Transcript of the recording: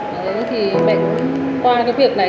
đấy thì mẹ qua cái việc này